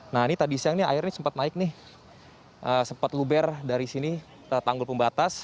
nah ini tadi siang nih airnya sempat naik nih sempat luber dari sini tanggul pembatas